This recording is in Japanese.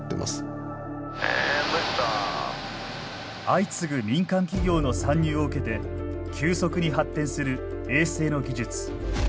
相次ぐ民間企業の参入を受けて急速に発展する衛星の技術。